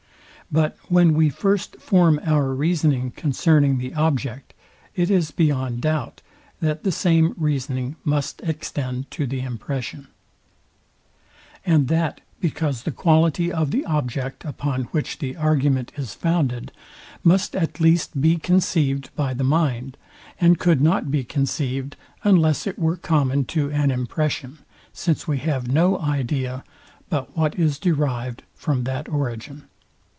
But when we first form our reasoning concerning the object, it is beyond doubt, that the same reasoning must extend to the impression: And that because the quality of the object, upon which the argument is founded, must at least be conceived by the mind; and could not be conceived, unless it were common to an impression; since we have no idea but what is derived from that origin.